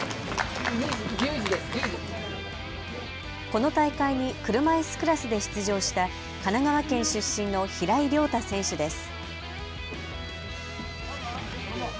この大会に車いすクラスで出場した神奈川県出身の平井亮太選手です。